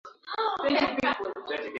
Chandarua kimeharibiwa na moto.